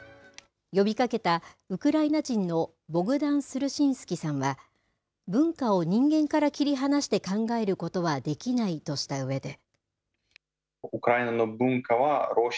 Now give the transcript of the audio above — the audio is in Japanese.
呼びかけた、ウクライナ人のボグダン・スルシンスキさんは、文化を人間から切り離して考えることはできないとしたうえで。